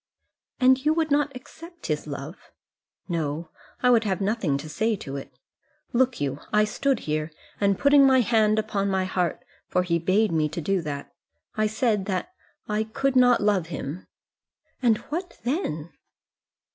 "And you would not accept his love?" "No; I would have nothing to say to it. Look you, I stood here, and putting my hand upon my heart, for he bade me to do that, I said that I could not love him." "And what then?"